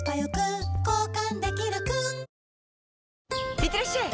いってらっしゃい！